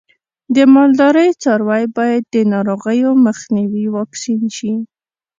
د مالدارۍ څاروی باید د ناروغیو مخنیوي واکسین شي.